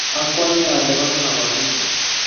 awkonge ale bo ngo kori chu.